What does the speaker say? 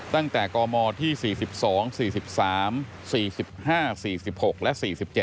ตั้งแต่กมที่๔๒๔๓๔๕๔๖และ๔๗